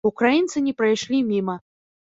Украінцы не прайшлі міма.